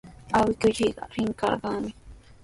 Awkilluykiqa rikanraqmi.